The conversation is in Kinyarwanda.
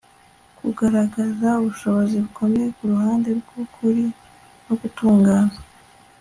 kugaragaza ubushobozi bukomeye ku ruhande rw'ukuri no gutungana